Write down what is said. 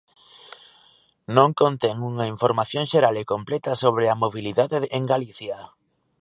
Non contén unha información xeral e completa sobre a mobilidade en Galicia.